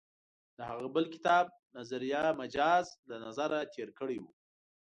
د هغه بل کتاب «نظریه مجاز» له نظره تېر کړی و.